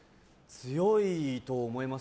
強いと思います。